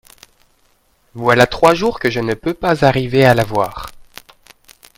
Voilà trois jours que je ne peux pas arriver à la voir.